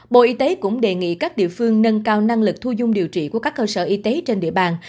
bộ y tế cũng đề nghị các địa phương nâng cao năng lực thu dung điều trị của các cơ sở y tế trên địa bàn